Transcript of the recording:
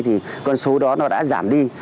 thì con số đó nó đã giảm đi